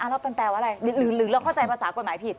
แล้วมันแปลว่าอะไรหรือเราเข้าใจภาษากฎหมายผิด